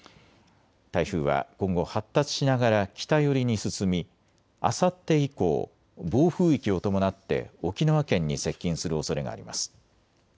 台風は今後、発達しながら北寄りに進みあさって以降、暴風域を伴って沖縄県に接近するおそれがあります。